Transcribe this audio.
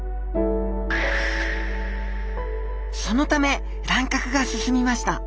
そのため乱獲が進みました。